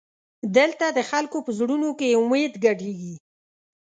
دلته د خلکو په زړونو کې امید ګډېږي.